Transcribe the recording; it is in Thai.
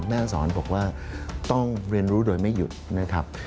แม่สอนบอกว่าต้องเรียนรู้โดยไม่หยุดนะครับ